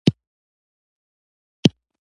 موزیک د خوږو یادونو ملګری دی.